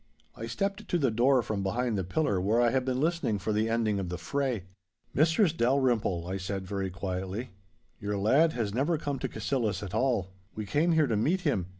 I stepped to the door from behind the pillar where I had been listening for the ending of the fray. 'Mistress Dalrymple,' I said, very quietly, 'your lad has never come to Cassillis at all. We came here to meet him.